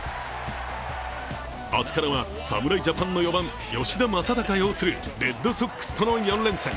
明日からは侍ジャパンの４番吉田正尚擁するレッドソックスとの４連戦。